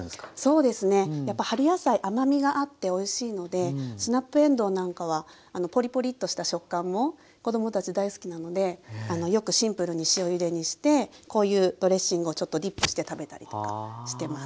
そうですね。やっぱ春野菜甘みがあっておいしいのでスナップえんどうなんかはポリポリッとした食感も子供たち大好きなのでよくシンプルに塩ゆでにしてこういうドレッシングをちょっとディップして食べたりとかしてます。